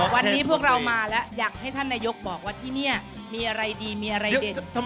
วันนี้พวกเรามาแล้วอยากให้ท่านนายกบอกว่าที่นี่มีอะไรดีมีอะไรเด่น